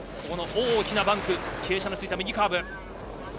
大きなバンク傾斜のついた右カーブ。